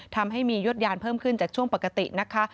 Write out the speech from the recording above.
ทำให้มียดยานเพิ่มขึ้นจากช่วงปกตินะคะ